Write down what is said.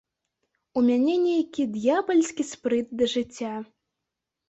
У мяне нейкі д'ябальскі спрыт да жыцця.